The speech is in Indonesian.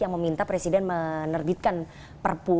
yang meminta presiden menerbitkan perpu